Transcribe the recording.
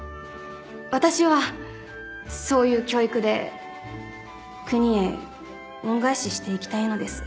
私はそういう教育で国へ恩返ししていきたいのです。